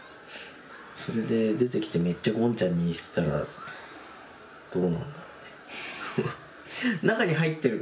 それで出てきてめっちゃゴンちゃんに似てたらどうなんだろうね。